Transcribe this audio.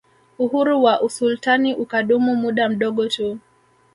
Uhuru wa usultani ukadumu muda mdogo tu